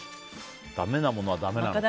だめなものはだめか。